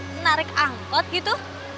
menarik angkot gitu